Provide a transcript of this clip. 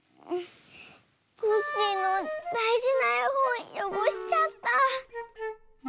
コッシーのだいじなえほんよごしちゃった。